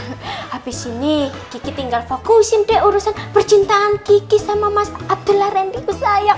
nah abis ini kiki tinggal fokusin deh urusan percintaan kiki sama mas abdullah rendy ku sayang